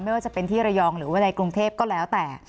ไม่ว่าจะเป็นที่ระยองหรือว่าในกรุงเทพก็แล้วแต่